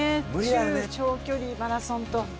中長距離、マラソンと。